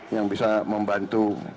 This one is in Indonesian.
yang bisa membantu